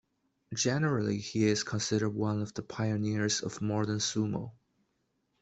Generally he is considered one of the pioneers of modern sumo.